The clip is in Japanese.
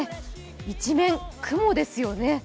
一面雲ですよね。